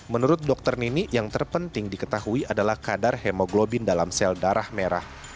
menurut dokter nini yang terpenting diketahui adalah kadar hemoglobin dalam sel darah merah